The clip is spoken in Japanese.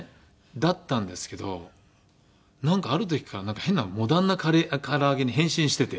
だったんですけどある時から変なモダンな唐揚げに変身してて。